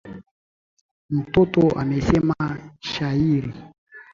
Mtoto amesema shairi